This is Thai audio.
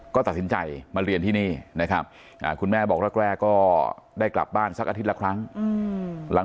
ก็ตัดสินใจมาเรียนที่นี่นะครับคุณแม่บอกแรกก็ได้กลับบ้านสักอาทิตย์ละครั้งหลัง